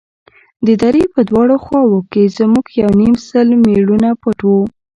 د درې په دواړو خواوو کښې زموږ يو يونيم سل مېړونه پټ وو.